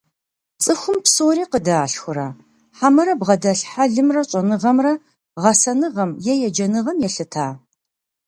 ЦӀыхум псори къыдалъхурэ, хьэмэрэ бгъэдэлъ хьэлымрэ щӀэныгъэмрэ гъэсэныгъэм е егъэджэныгъэм елъыта?